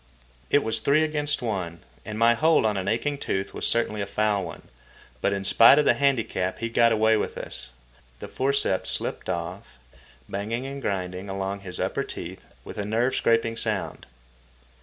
It was three against one, and my hold on an aching tooth was certainly a foul one; but in spite of the handicap he got away with us. The forceps slipped off, banging and grinding along against his upper teeth with a nerve scraping sound.